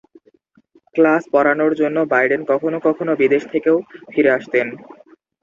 Class পড়ানোর জন্য Biden কখনও কখনও বিদেশ থেকেও ফিরে আসতেন।